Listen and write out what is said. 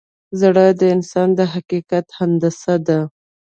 زړه د انسان د حقیقت هندسه ده.